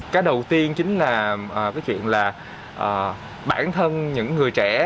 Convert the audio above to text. cái đầu tiên chính là cái chuyện là bản thân những người trẻ